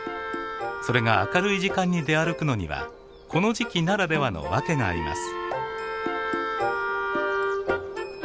それが明るい時間に出歩くのにはこの時期ならではの訳があります。